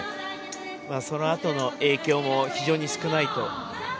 そのあとの影響も非常に少ないと。